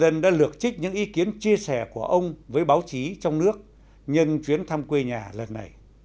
nhân dân đã lược trích những ý kiến chia sẻ của ông với báo chí trong nước nhân chuyến thăm quê nhà lần này